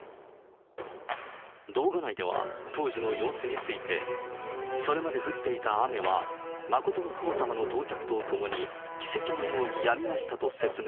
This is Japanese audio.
動画内では当時の様子について、それまで降っていた雨は、真の父母様の到着と同時に奇跡のようにやみましたと説明。